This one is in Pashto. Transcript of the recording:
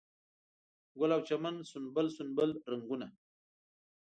ګل او چمن سنبل، سنبل رنګونه